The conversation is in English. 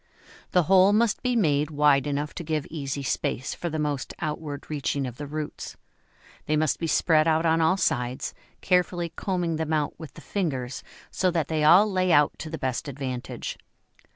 The hole must be made wide enough to give easy space for the most outward reaching of the roots; they must be spread out on all sides, carefully combing them out with the fingers, so that they all lay out to the best advantage.